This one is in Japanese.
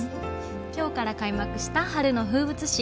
今日から開幕した春の風物詩。